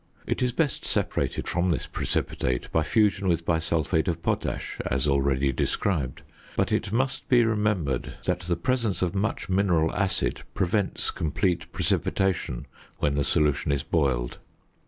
It is best separated from this precipitate by fusion with bisulphate of potash, as already described, but it must be remembered that the presence of much mineral acid prevents complete precipitation when the solution is boiled.